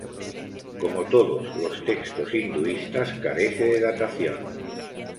Como todos los textos hinduistas, carece de datación.